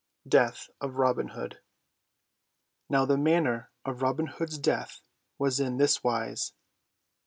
DEATH OF ROBIN HOOD Now the manner of Robin Hood's death was in this wise.